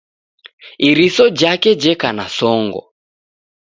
Iriso jake jeka na songo